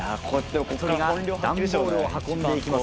１人が段ボールを運んで行きます。